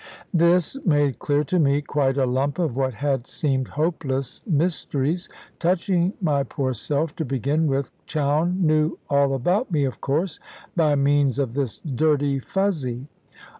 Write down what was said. This made clear to me quite a lump of what had seemed hopeless mysteries. Touching my poor self, to begin with, Chowne knew all about me, of course, by means of this dirty Fuzzy.